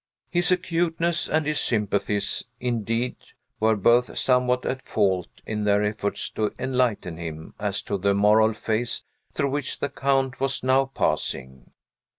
His acuteness and his sympathies, indeed, were both somewhat at fault in their efforts to enlighten him as to the moral phase through which the Count was now passing.